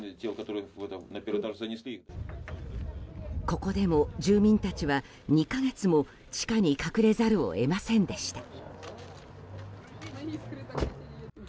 ここでも住民たちは２か月も地下に隠れざるを得ませんでした。